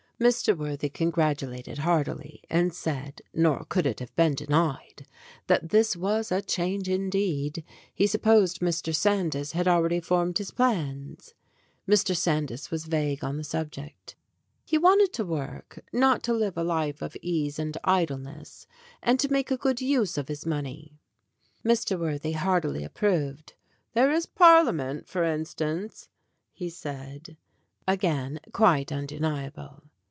Mr. Worthy congratulated heartily, and said nor could it have been denied that this was a change, indeed. He supposed Mr. Sandys had already formed his plans. Mr. Sandys was vague on the subject. He wanted to work not to live a life of ease and idleness and to make a good use of his money. Mr. Worthy heartily approved. "There is Parlia ment, for instance," he said again quite undeniable.